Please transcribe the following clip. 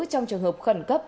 trong trường hợp khẩn cấp